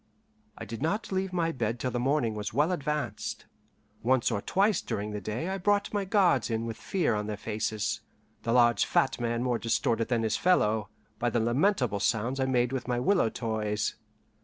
I did not leave my bed till the morning was well advanced. Once or twice during the day I brought my guards in with fear on their faces, the large fat man more distorted than his fellow, by the lamentable sounds I made with my willow toys.